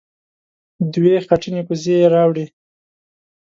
دوې خټينې کوزې يې راوړې.